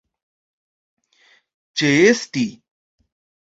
ĉeesti